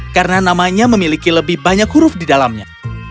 karena namanya memiliki lebih banyak huruf di dalamnya